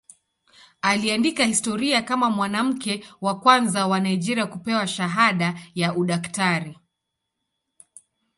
Aliandika historia kama mwanamke wa kwanza wa Nigeria kupewa shahada ya udaktari.